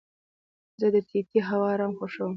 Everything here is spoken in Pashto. زه د ټیټې هوا ارام خوښوم.